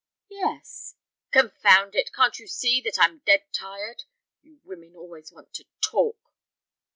"Yes." "Confound it, can't you see that I'm dead tired? You women always want to talk."